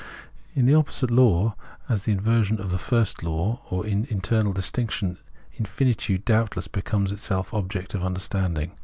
In the opposite law, as the inversion of the first law, or in internal distinction, infinitude doubtless becomes itself object of understanding.